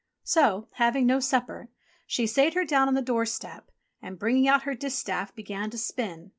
So, having no supper, she sate her down on the doorstep, and, bringing out her distaff, began to spin.